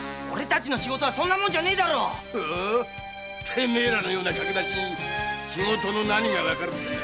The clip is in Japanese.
てめえらのような駆け出しに仕事の何が分かるってんだ！